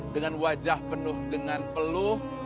dengan wajah penuh dengan peluh